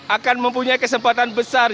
akan mempunyai kesempatan besar